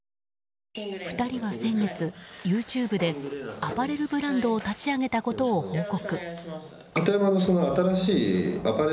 ２人は先月、ＹｏｕＴｕｂｅでアパレルブランドを立ち上げたことを報告。